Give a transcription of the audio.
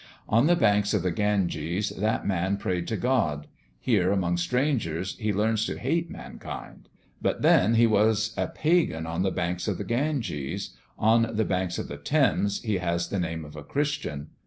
On the banks of the Ganges that man prayed to God; here, among strangers, he learns to hate mankind. But then he was a pagan on the banks of the Ganges; on the banks of the Thames he has the name of a Christian.